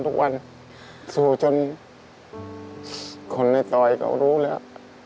ก็จะอยู่กัน